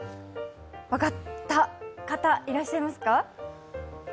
分かった方いらっしゃいますか？